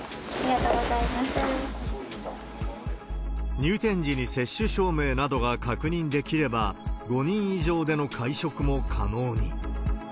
入店時に接種証明などが確認できれば、５人以上での会食も可能に。